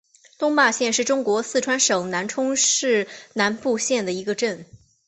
东坝镇是中国四川省南充市南部县的一个镇。